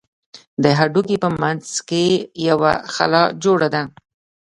د هډوکي په منځ کښې يوه خلا جوړه ده.